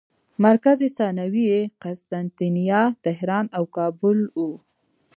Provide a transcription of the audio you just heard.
مرکز ثانوي یې قسطنطنیه، طهران او کابل وو.